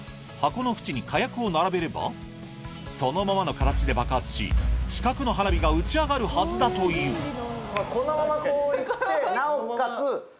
このようにそのままの形で爆発し四角の花火が打ち上がるはずだというこのままこういってなおかつ